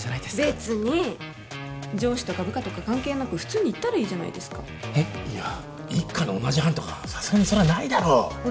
別に上司とか部下とか関係なく普通に言ったらいいじゃないですかいや一課の同じ班とかさすがにそれはないだろっ